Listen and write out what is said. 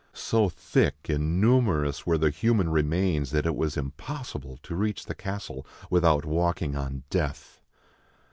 So thick and numerous were the human remains that it was impossible to reach the castle without walking on death.